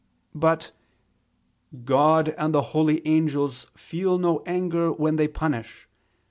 But "God and the holy angels feel no anger when they punish